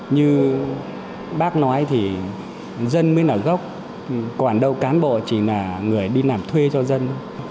như bác nói thì dân mới là gốc còn đâu cán bộ chỉ là người đi làm thuê cho dân